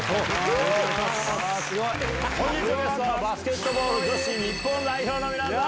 本日のゲストはバスケットボール女子日本代表の皆さん。